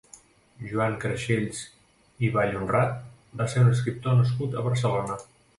Joan Crexells i Vallhonrat va ser un escriptor nascut a Barcelona.